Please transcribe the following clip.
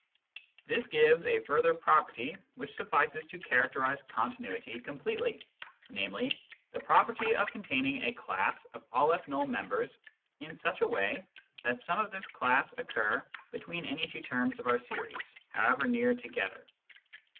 This gives a further property which suffices to characterise continuity completely, namely, the property of containing a class of M members in such a way that some of this class occur between any two terms of our series, however near together.